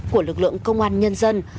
của lực lượng công an nhân dân